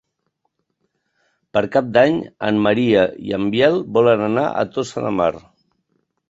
Per Cap d'Any en Maria i en Biel volen anar a Tossa de Mar.